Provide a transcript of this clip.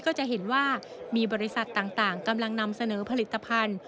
ก็จะเห็นว่ามีบริษัทต่างกำลังนำเสนอผลิตภัณฑ์